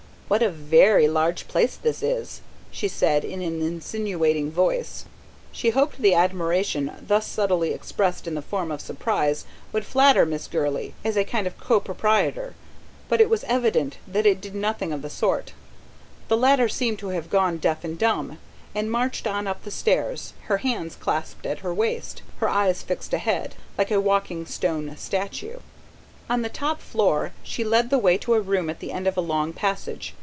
"What a VERY large place this is!" she said in an insinuating voice. She hoped the admiration, thus subtly expressed in the form of surprise, would flatter Mrs. Gurley, as a kind of co proprietor; but it was evident that it did nothing of the sort: the latter seemed to have gone deaf and dumb, and marched on up the stairs, her hands clasped at her waist, her eyes fixed ahead, like a walking stone statue. On the top floor she led the way to a room at the end of a long passage.